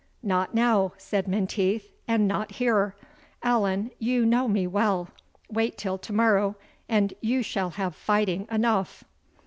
"Not now," said Menteith, "and not here. Allan, you know me well wait till to morrow, and you shall have fighting enough."